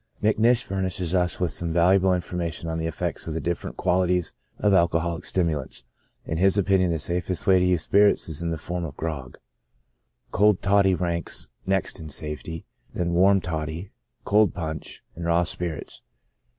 Macnish furnishes us with some valuable information on the effects of the different qualities of alcoholic stimulants. In his opinion, the safest way to use spirits is in the form of grog ; cold toddy ranks next in safety, then warm toddy, cold punch, and raw spirits.